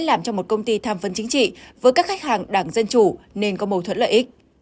làm cho một công ty tham vấn chính trị với các khách hàng đảng dân chủ nên có mâu thuẫn lợi ích